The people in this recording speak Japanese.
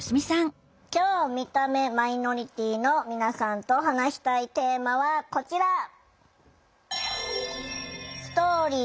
今日見た目マイノリティーの皆さんと話したいテーマはこちら。